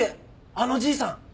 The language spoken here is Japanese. あのじいさん！？